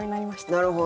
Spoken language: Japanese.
なるほど。